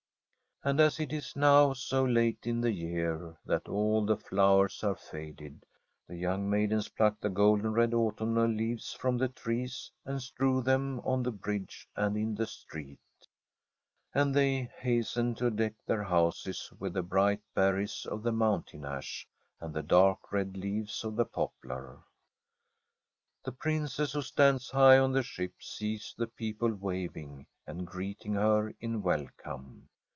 And as it is now so late in the year that all the flowers are faded, the young maidens pluck the golden red autumnal leaves from the trees and strew them on the bridge and in the street ; and they hasten to deck their houses with the bright berries of the mountain ash and the dark red leaves of the poplar. The Princess, who stands high on the ship, sees the people waving and greeting her in wel come.